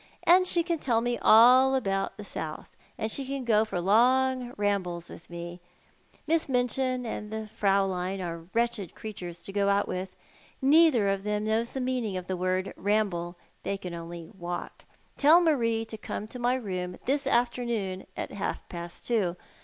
And slio can tell me all about the South ; and she can go for long rambles with me. llis.s Miuchin and the Fraulein are wretched creatures to go out with. Neither of them knows the meaning of the word ramble. Tliey can only walk. Tell Marie to corao to my room this afternoon at half past two.